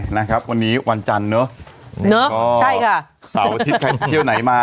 นะครับวันนี้วันจันทร์เนอะเนอะก็ใช่ค่ะเสาร์อาทิตย์ใครเที่ยวไหนมา